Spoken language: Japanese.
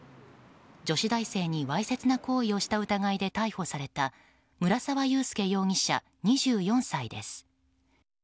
女子大生にわいせつな行為をした疑いで逮捕された村沢祐輔容疑者、２４歳です。